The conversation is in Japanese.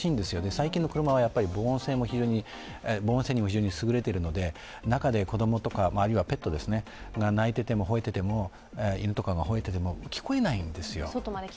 最近の車は防音性にも非常にすぐれているので中で子供やペットが泣いてても犬とかがほえていても聞こえないんですよ。